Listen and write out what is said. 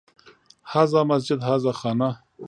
هذا مسجد، هذا خانه